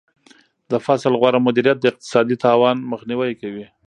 د فصل غوره مدیریت د اقتصادي تاوان مخنیوی کوي.